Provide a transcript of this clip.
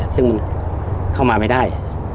ซึ่งเข้ามาไม่ได้